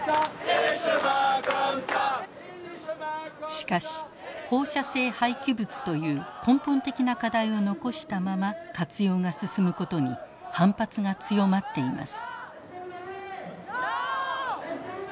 しかし放射性廃棄物という根本的な課題を残したまま活用が進むことに反発が強まっています。